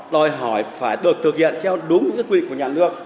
lòi hỏi phải được thực hiện theo đúng quyền của nhà nước